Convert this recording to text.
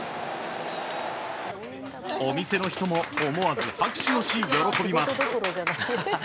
お店の人も思わず拍手をし喜びます。